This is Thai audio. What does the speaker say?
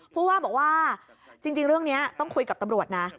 ผู้ว่าบอกว่าจริงเรื่องนี้ต้องคุยกับตำรวจนะ